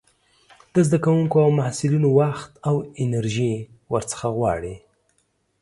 د زده کوونکو او محصلينو وخت او انرژي ورڅخه غواړي.